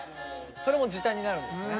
それも時短になるんですね。